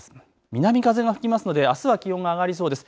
南風が吹きますのであすは気温が上がりそうです。